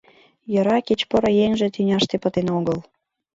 Йӧра, кеч поро еҥже тӱняште пытен огыл...